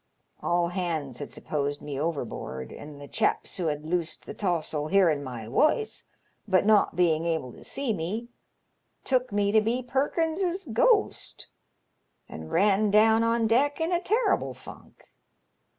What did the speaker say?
All hands had supposed me overboard, and the 'LONGSHOBEMAN'8 TARNS. 145 cbaps who 'ad loosed th' tawa'l hearin' my woice« but not being able to see me, took me to be Perkins's ghost, and ran down on deck in a terrible fank.